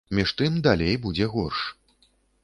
Між тым, далей будзе горш.